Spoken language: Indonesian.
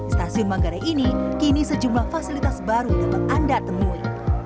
stasiun manggarai ini kini sejumlah fasilitas baru dapat anda temui